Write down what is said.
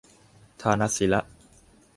ทานะสีละ